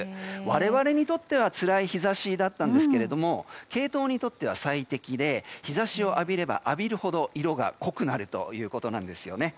我々にとってはつらい日差しだったんですけどもケイトウにとっては最適で日差しを浴びれば浴びるほど色が濃くなるということなんですよね。